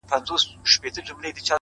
• نه تر ښار نه تر بازاره سو څوک تللای ,